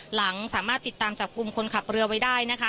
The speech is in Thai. หลังสามารถติดตามจับกลุ่มคนขับเรือไว้ได้นะคะ